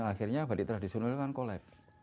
akhirnya batik tradisional kan collab